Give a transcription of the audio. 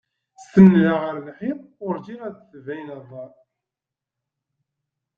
Senndeɣ ar lḥiḍ, urǧiɣ ad d-tbineḍ.